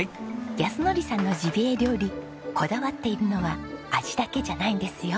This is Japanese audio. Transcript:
靖憲さんのジビエ料理こだわっているのは味だけじゃないんですよ。